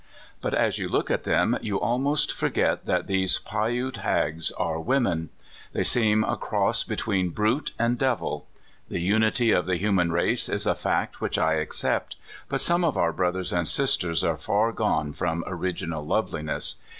But as you look at them you almost forget that these Piute hags are women. They seem a cross between brute and devil. The unity of the human race is a fact which I accept; but some of our brothers and sisters are far gone from original loveliness.